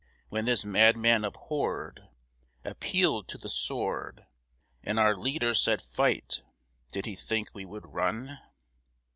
When this madman abhorred Appealed to the sword, And our leader said "fight!" did he think we would run?